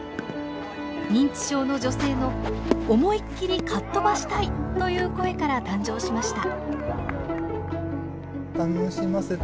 認知症の女性の「思いっきりかっとばしたい」という声から誕生しました。